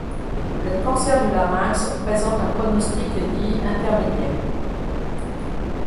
Le cancer du larynx présente un pronostic dit intermédiaire.